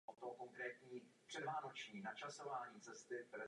Frakce ovšem svého cíle nedosáhla.